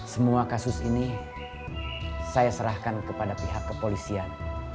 semua kasus ini saya serahkan kepada pihak kepolisian